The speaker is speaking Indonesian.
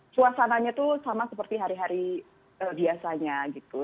suasananya tuh sama seperti hari hari biasanya gitu